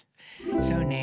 そうね